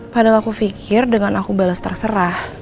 padahal aku pikir dengan aku balas terserah